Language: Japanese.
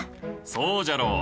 そうじゃろう。